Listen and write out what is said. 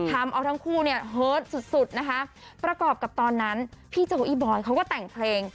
ทำเอาทั้งคู่เนี่ยเฮิร์ตสุดสุดนะคะประกอบกับตอนนั้นพี่โจอี้บอยเขาก็แต่งเพลง